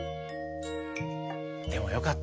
でもよかった。